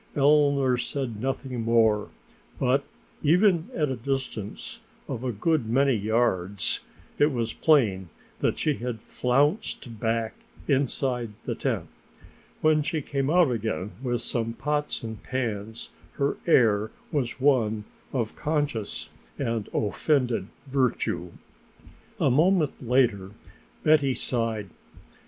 Eleanor said nothing more, but even at a distance of a good many yards it was plain that she had flounced back inside the tent. When she came out again with some pots and pans her air was one of conscious and offended virtue. A moment later Betty sighed.